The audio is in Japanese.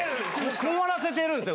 困らせてるんすよ